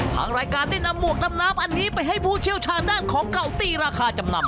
ทางรายการได้นำหมวกดำน้ำอันนี้ไปให้ผู้เชี่ยวชาญด้านของเก่าตีราคาจำนำ